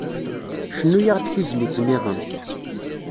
Cnu-aɣ-d tizlit-nniḍen.